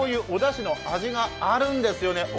おだしの味があるんですよね。